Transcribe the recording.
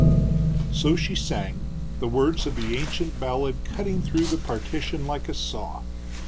So she sang, the words of the ancient ballad cutting through the partition like a saw.